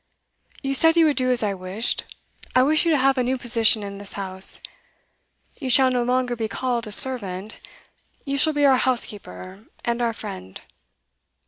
'You said you would do as I wished. I wish you to have a new position in this house. You shall no longer be called a servant; you shall be our housekeeper, and our friend.